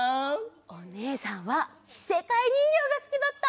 おねえさんはきせかえにんぎょうがすきだった。